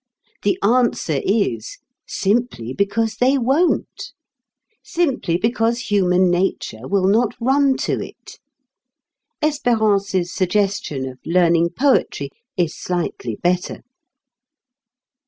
The answer is: Simply because they won't; simply because human nature will not run to it. "Espérance's" suggestion of learning poetry is slightly better.